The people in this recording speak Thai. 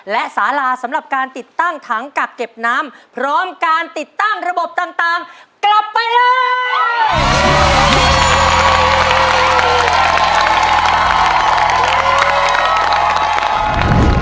และสาราสำหรับการติดตั้งถังกักเก็บน้ำพร้อมการติดตั้งระบบต่างกลับไปเลย